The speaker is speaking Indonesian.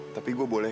tapi gue boleh